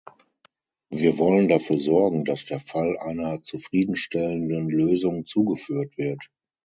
Wir wollen dafür sorgen, dass der Fall einer zufriedenstellenden Lösung zugeführt wird.